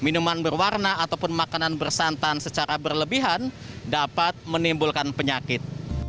minuman berwarna ataupun makanan bersantan secara berlebihan dapat menimbulkan penyakit